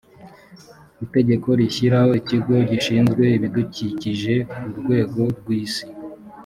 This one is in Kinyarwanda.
itegeko rishyiraho ikigo gishinzwe ibidukikiye ku rwego rw’isi